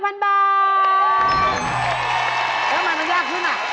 แล้วทำไมมันยากขึ้นอ่ะ